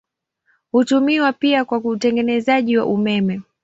Hutumiwa pia kwa utengenezaji wa umeme.